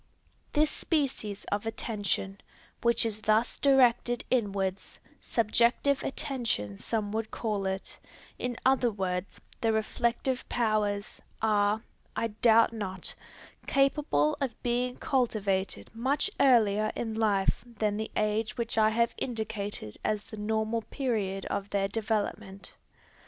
This species of attention, which is thus directed inwards, subjective attention some would call it, in other words, the reflective powers, are, I doubt not, capable of being cultivated much earlier in life than the age which I have indicated as the normal period of their development.